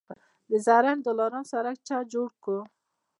د زرنج دلارام سړک چا جوړ کړ؟